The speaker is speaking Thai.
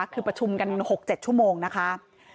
คือประชุมกัน๖๗ชั่วโมงนะคะ